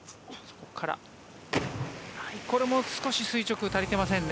これも少し垂直足りてませんね。